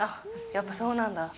やっぱそうなんだ。